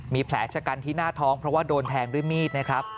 มีแผลชะกันที่หน้าท้องเพราะว่าโดนแทงด้วยมีดนะครับ